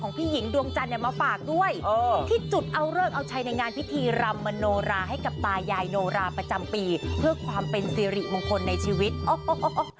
พี่หญิงดวงจันทร์เนี่ยมาฝากด้วยที่จุดเอาเลิกเอาใช้ในงานพิธีรำมโนราให้กับตายายโนราประจำปีเพื่อความเป็นสิริมงคลในชีวิตโอ้โห